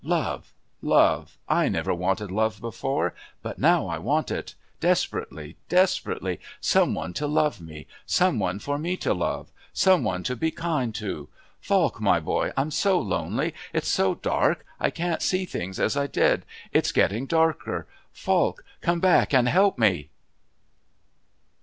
"Love Love! I never wanted love before, but now I want it, desperately, desperately, some one to love me, some one for me to love, some one to be kind to. Falk, my boy. I'm so lonely. It's so dark. I can't see things as I did. It's getting darker. "Falk, come back and help me...."